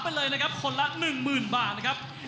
ไปเลยนะครับคนละ๑๐๐๐บาทนะครับ